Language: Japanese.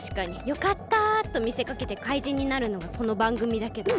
「よかった」とみせかけてかいじんになるのがこのばんぐみだけど。